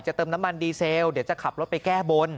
เติมน้ำมันดีเซลเดี๋ยวจะขับรถไปแก้บน